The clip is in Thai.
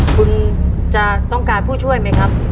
คุณจะต้องการผู้ช่วยไหมครับ